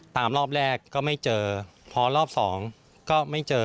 ตามรอบแรกก็ไม่เจอพอรอบสองก็ไม่เจอ